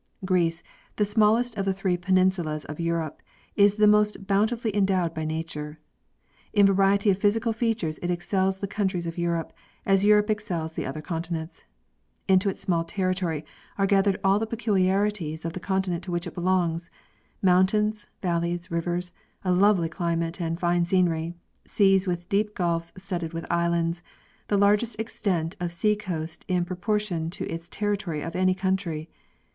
Greece, the smallest of the three peninsulas of Europe, is the most bountifully endowed by nature. In variety of physical features it excels the countries of Europe, as Europe excels the other continents. Into its small territory are gathered all the peculiarities of the continent to which it belongs—mountains, valleys, rivers, a lovely climate and fine scenery, seas with deep gulfs studded with islands, the largest extent of sea coast in pro portion to its territory of any country.